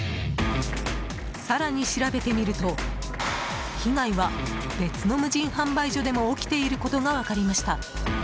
更に調べてみると被害は別の無人販売所でも起きていることが分かりました。